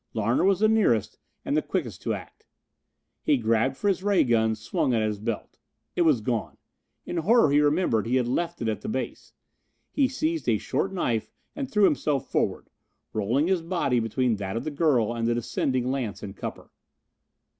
Larner was the nearest and the quickest to act. He grabbed for his ray gun, swung at his belt. It was gone! In horror he remembered he had left it at the base. He seized a short knife and threw himself forward, rolling his body between that of the girl and the descending lance and cupper.